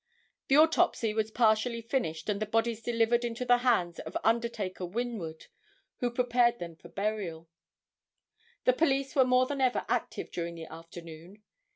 The autopsy was partially finished and the bodies delivered into the hands of undertaker Winward, who prepared them for burial. [Illustration: CHARLES S. SAWYER.] The police were more than ever active during the afternoon.